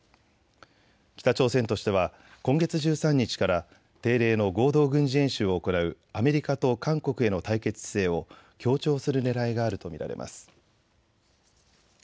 北朝鮮としては今月１３日から定例の合同軍事演習を行うアメリカと韓国への対決姿勢を強調するねらいがあると見られます。